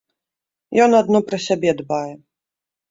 Ён адно пра сябе дбае.